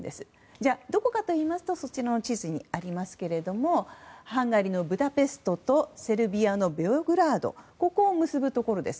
じゃあどこかといいますとそちらの地図にありますがハンガリーのブダペストとセルビアのベオグラードここを結ぶところです。